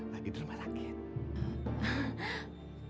lagi di rumah sakit